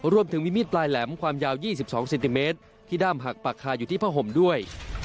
รวมถึงมีมีดปลายแหลมความยาว๒๒เซนติเมตรที่ด้ามหักปากคาอยู่ที่ผ้าห่มด้วย